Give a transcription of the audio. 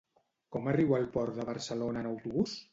Com arribo al Port de Barcelona en autobús?